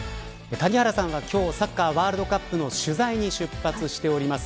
谷原さんは今日サッカーワールドカップの取材に出発しております。